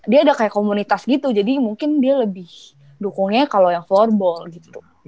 dia ada kayak komunitas gitu jadi mungkin dia lebih dukungnya kalau yang flowerball gitu